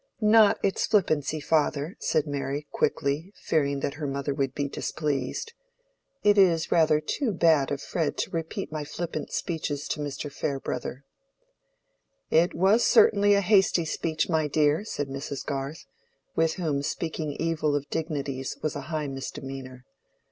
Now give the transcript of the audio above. "Not its flippancy, father," said Mary, quickly, fearing that her mother would be displeased. "It is rather too bad of Fred to repeat my flippant speeches to Mr. Farebrother." "It was certainly a hasty speech, my dear," said Mrs. Garth, with whom speaking evil of dignities was a high misdemeanor.